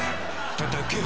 たたけ！